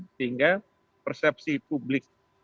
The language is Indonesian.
sehingga persepsi publik